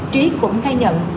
trí cũng khai nhận